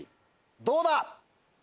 どうだ？